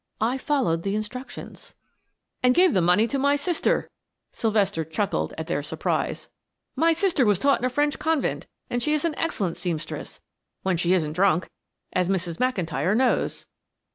I followed the instructions." "And gave the money to my sister," Sylvester chuckled at their surprise. "My sister was taught in a French convent, and she is an excellent seamstress, when she isn't drunk, as Mrs. McIntyre knows."